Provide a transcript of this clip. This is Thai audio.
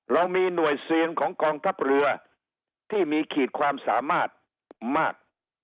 เรามีหน่วยเสี่ยงของกองทัพเรือที่มีขีดความสามารถมาก